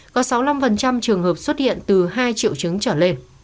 có sáu mươi năm trường hợp xuất hiện từ hai triệu chứng trở lên